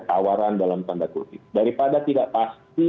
tawaran dalam tanda kutip daripada tidak pasti